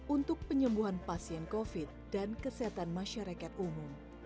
untuk penyembuhan pasien covid dan kesehatan masyarakat umum